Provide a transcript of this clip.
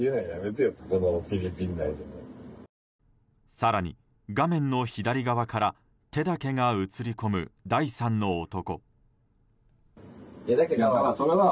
更に、画面の左側から手だけが映り込む第三の男。